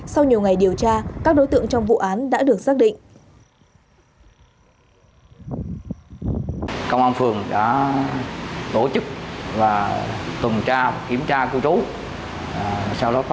sau nhiều ngày điều tra các đối tượng trong vụ án đã được xác định